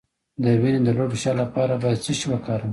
د وینې د لوړ فشار لپاره باید څه شی وکاروم؟